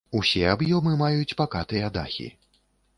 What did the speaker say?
Усе аб'ёмы маюць пакатыя дахі.